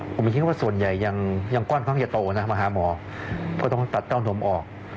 ผมคิดว่าส่วนใหญ่ยังก้อนเพิ่งจะโตนะมาหาหมอก็ต้องตัดเต้านมออก